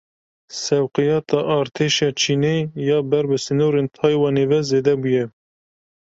Sewqiyata Artêşa Çînê ya ber bi sînorên Taywanê ve zêde bûye.